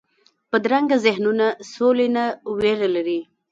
بدرنګه ذهنونونه سولې نه ویره لري